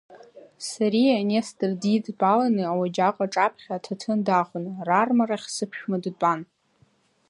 Сариа Нестор дидтәаланы ауаџьаҟ аҿаԥхьа аҭаҭын дахон, рармарахь сыԥшәма дтәан.